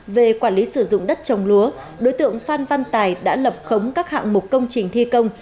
về quản lý sử dụng đất trồng lúa đối tượng phan văn tài đã lập khống các hạng mục công trình thi công